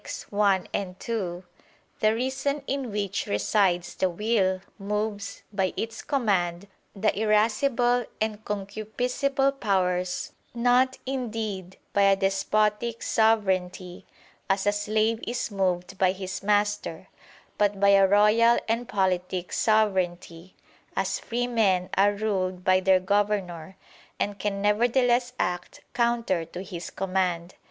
i, 2), the reason, in which resides the will, moves, by its command, the irascible and concupiscible powers, not, indeed, "by a despotic sovereignty," as a slave is moved by his master, but by a "royal and politic sovereignty," as free men are ruled by their governor, and can nevertheless act counter to his commands.